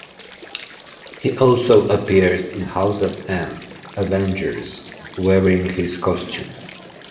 He also appears in House of M: Avengers wearing his costume.